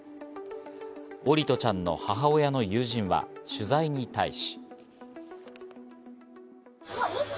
桜利斗ちゃんの母親の友人は取材に対し。